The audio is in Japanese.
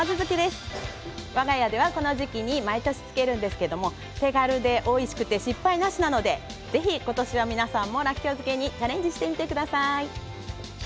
わが家ではこの時期に毎年漬けるんですけれど、手軽でおいしくて失敗なしなのでぜひ今年は皆さんもらっきょう漬けにチャレンジしてみてください。